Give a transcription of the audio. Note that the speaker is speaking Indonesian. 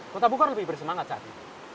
kota bogor lebih bersemangat saat ini